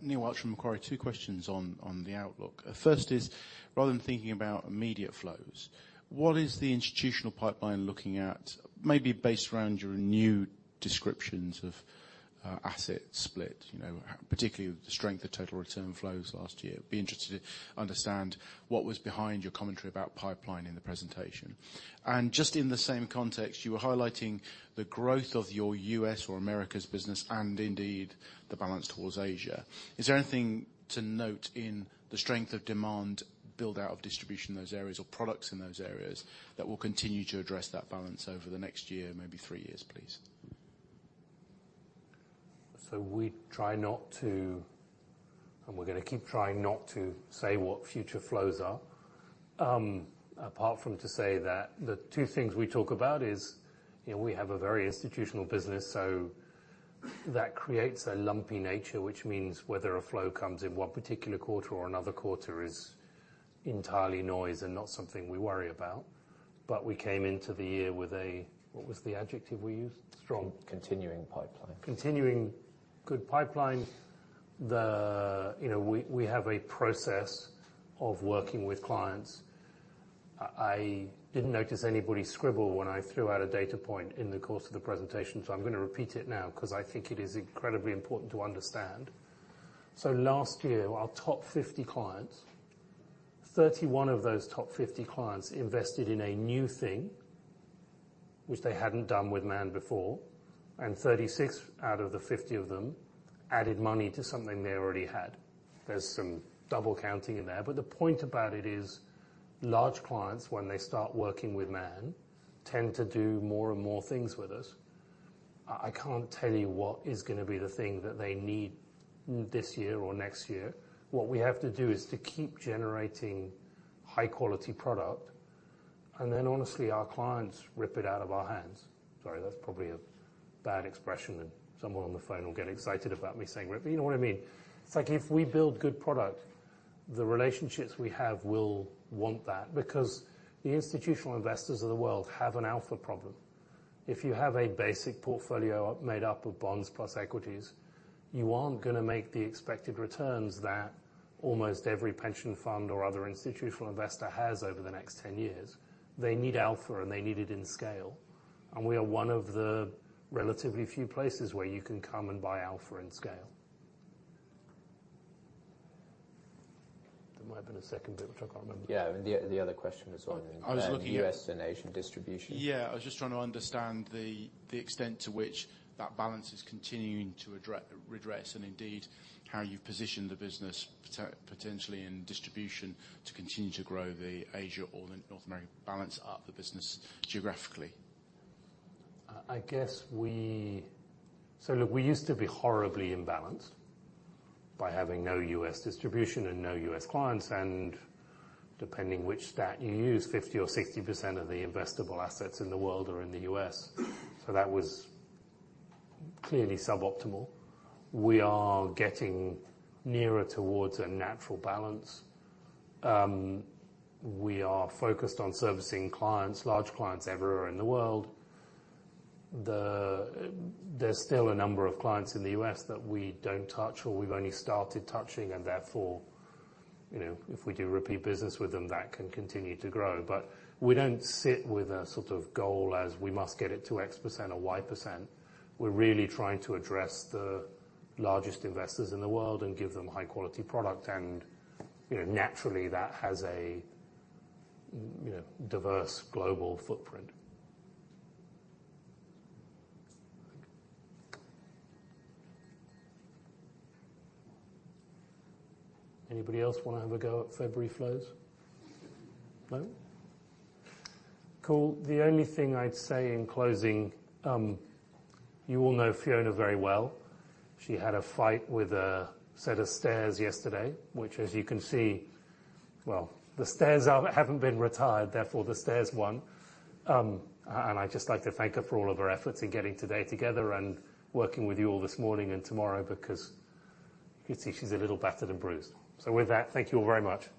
Speaker 6: Neil Archer, Macquarie. Two questions on the outlook. First is, rather than thinking about immediate flows, what is the institutional pipeline looking at, maybe based around your new descriptions of asset split, particularly with the strength of total return flows last year? Be interested to understand what was behind your commentary about pipeline in the presentation. Just in the same context, you were highlighting the growth of your U.S. or Americas business and indeed the balance towards Asia. Is there anything to note in the strength of demand build-out of distribution in those areas or products in those areas that will continue to address that balance over the next year, maybe three years, please?
Speaker 1: We try not to, and we're going to keep trying not to say what future flows are. Apart from to say that the two things we talk about is we have a very institutional business, so that creates a lumpy nature, which means whether a flow comes in one particular quarter or another quarter is entirely noise and not something we worry about. We came into the year with a, what was the adjective we used? Strong.
Speaker 2: Continuing pipeline.
Speaker 1: Continuing good pipeline. We have a process of working with clients. I didn't notice anybody scribble when I threw out a data point in the course of the presentation, so I'm going to repeat it now because I think it is incredibly important to understand. Last year, our top 50 clients, 31 of those top 50 clients invested in a new thing, which they hadn't done with Man before, and 36 out of the 50 of them added money to something they already had. There's some double counting in there. The point about it is large clients, when they start working with Man, tend to do more and more things with us. I can't tell you what is going to be the thing that they need this year or next year. What we have to do is to keep generating high quality product, then honestly, our clients rip it out of our hands. Sorry, that's probably a bad expression and someone on the phone will get excited about me saying rip it, you know what I mean. It's like if we build good product, the relationships we have will want that because the institutional investors of the world have an alpha problem. If you have a basic portfolio made up of bonds plus equities, you aren't going to make the expected returns that almost every pension fund or other institutional investor has over the next 10 years. They need alpha, and they need it in scale. We are one of the relatively few places where you can come and buy alpha in scale. There might have been a second bit, which I can't remember.
Speaker 2: Yeah. The other question was.
Speaker 1: I was looking.
Speaker 2: U.S. and Asian distribution.
Speaker 6: Yeah, I was just trying to understand the extent to which that balance is continuing to redress and indeed how you position the business potentially in distribution to continue to grow the Asia or North American balance of the business geographically.
Speaker 1: Look, we used to be horribly imbalanced by having no U.S. distribution and no U.S. clients, depending which stat you use, 50% or 60% of the investable assets in the world are in the U.S. That was clearly suboptimal. We are getting nearer towards a natural balance. We are focused on servicing clients, large clients everywhere in the world. There's still a number of clients in the U.S. that we don't touch or we've only started touching, and therefore, if we do repeat business with them, that can continue to grow. We don't sit with a sort of goal as we must get it to X% or Y%. We're really trying to address the largest investors in the world and give them high-quality product, and naturally, that has a diverse global footprint. Anybody else want to have a go at February flows? No? Cool. The only thing I'd say in closing, you all know Fiona very well. She had a fight with a set of stairs yesterday, which as you can see, well, the stairs haven't been retired, therefore the stairs won. I'd just like to thank her for all of her efforts in getting today together and working with you all this morning and tomorrow because you can see she's a little battered and bruised. With that, thank you all very much.